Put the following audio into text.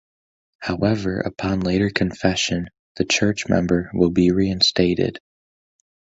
However upon later confession, the church member will be reinstated.